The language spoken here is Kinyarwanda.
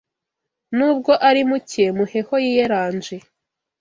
nubwo ari muke muheho yiyeranje